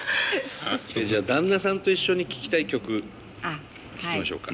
じゃあ旦那さんと一緒に聴きたい曲聞きましょうか。